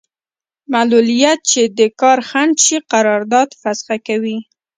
معلولیت چې د کار خنډ شي قرارداد فسخه کوي.